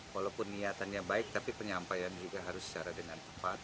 walaupun niatannya baik tapi penyampaian juga harus secara dengan tepat